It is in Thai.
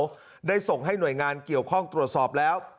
เลือกเข้ารับเหมาได้ส่งให้หน่วยงานเกี่ยวข้องตรวจสอบแล้ว